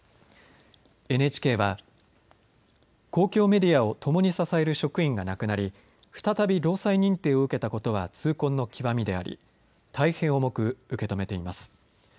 ＮＨＫは公共メディアをともに支える職員が亡くなり再び労災認定を受けたことは痛恨の極みであり大変重く受け止めています。